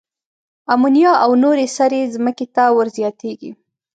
آمونیا او نورې سرې ځمکې ته ور زیاتیږي.